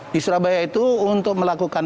di surabaya itu untuk melakukan